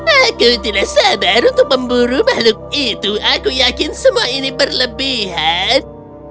aku tidak sabar untuk memburu makhluk itu aku yakin semua ini berlebihan